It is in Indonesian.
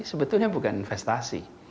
sebetulnya bukan investasi